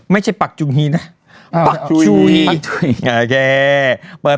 ไม่ใช่ภักดุจุฮีน่ะฟักจุฮี